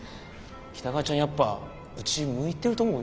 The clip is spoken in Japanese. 喜多川ちゃんやっぱうち向いてると思うよ。